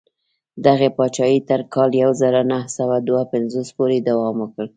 دغې پاچاهۍ تر کال یو زر نهه سوه دوه پنځوس پورې دوام وکړ.